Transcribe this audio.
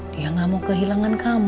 dia gak mau kehilangan kamu